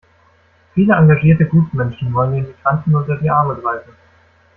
Viele engagierte Gutmenschen wollen den Migranten unter die Arme greifen.